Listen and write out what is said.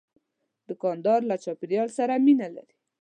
دوکاندار له چاپیریال سره مینه لري.